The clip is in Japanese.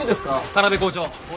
田邊校長。